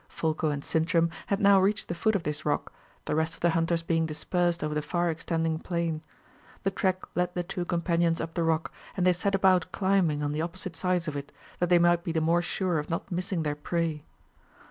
Folko and Sintram had now reached the foot of this rock, the rest of the hunters being dispersed over the far extending plain. The track led the two companions up the rock, and they set about climbing on the opposite sides of it, that they might be the more sure of not missing their prey.